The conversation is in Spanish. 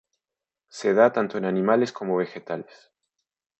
Se da tanto en animales como vegetales.